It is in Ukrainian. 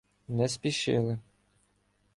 Не спішили.